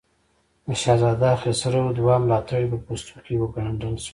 د شهزاده خسرو دوه ملاتړي په پوستکو کې وګنډل شول.